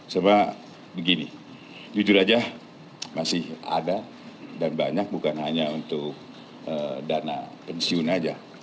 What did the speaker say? sebenarnya begini jujur saja masih ada dan banyak bukan hanya untuk dana pensiun saja